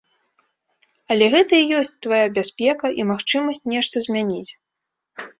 Але гэта і ёсць твая бяспека і магчымасць нешта змяніць.